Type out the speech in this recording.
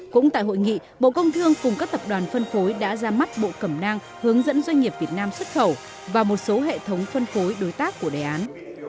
cũng tại hội nghị bộ công thương cùng các tập đoàn phân phối đã ra mắt bộ cẩm nang hướng dẫn doanh nghiệp việt nam xuất khẩu và một số hệ thống phân phối đối tác của đề án